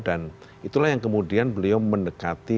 dan itulah yang kemudian beliau mendekati